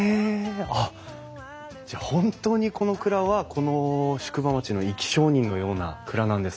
あっじゃあ本当にこの蔵はこの宿場町の生き証人のような蔵なんですね。